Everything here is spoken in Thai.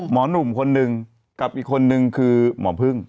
หนุ่มคนนึงกับอีกคนนึงคือหมอพึ่ง